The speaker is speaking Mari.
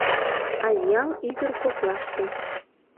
Азъял ӱдыр коклаште